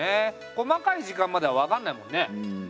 細かい時間までは分かんないもんね。